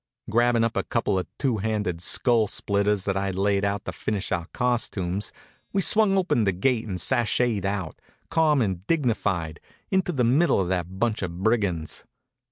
Grabbing up a couple of two handed skull splitters that I'd laid out to finish our costumes, we swung open the gate and sasshayed out, calm and dignified, into the middle of that bunch of brigands.